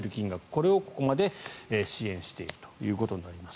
これをここまで支援しているということになります。